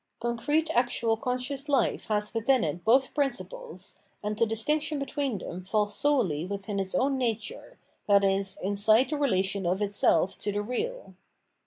Concrete actual conscious life has within it both principles, and the distinction between them falls solely within its own nature, viz. inside the relation of itself to the real.